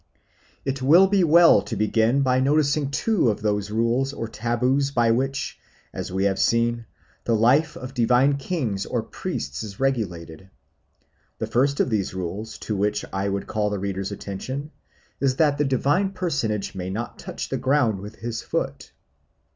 It will be well to begin by noticing two of those rules or taboos by which, as we have seen, the life of divine kings or priests is regulated. The first of the rules to which I would call the reader's attention is that the divine personage may not touch the ground with his foot.